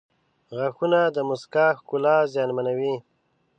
• غاښونه د مسکا ښکلا زیاتوي.